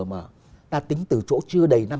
mà ta tính từ chỗ chưa đầy